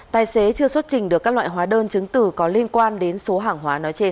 tài xế chưa xuất trình được các loại hóa đơn chứng từ có liên quan đến số hàng hóa nói trên